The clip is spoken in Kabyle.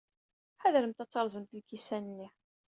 Ḥadremt ad terrẓem lkisan-nni.